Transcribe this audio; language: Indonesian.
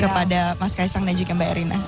kepada mas kaisang dan juga mbak erina